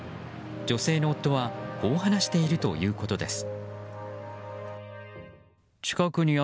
女性の夫はこう話しているということです。